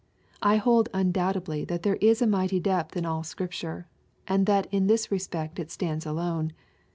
I hold undoubtedly that there is a mighty depth in all Scripture, and that in this respect it stands alone.